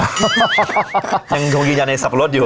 ยังคงยืนยันในสับปะรดอยู่